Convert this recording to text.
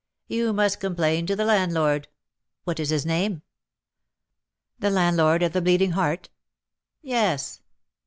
"You must complain to the landlord." "What is his name?" "The landlord of the Bleeding Heart?" "Yes."